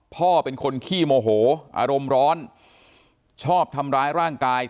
พ่อเป็นคนขี้โมโหอารมณ์ร้อนชอบทำร้ายร่างกาย